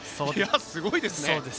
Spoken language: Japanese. すごいですね。